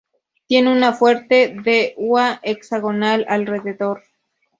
Tiene una fuente de ua hexagonal alrededor.